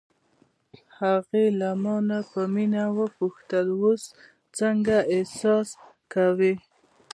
هغې له مانه په مینه وپوښتل: اوس څنګه احساس کوې؟